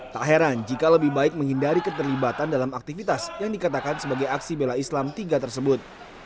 tak heran jika lebih baik menghindari keterlibatan dalam aktivitas yang dikatakan sebagai aksi bela islam tiga tersebut